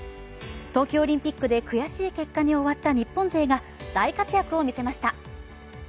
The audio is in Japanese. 東京オリンピックで悔しい結果に終わった日本勢が大活躍を見せました。